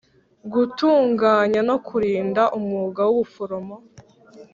gutunganya no kurinda umwuga w ubuforomo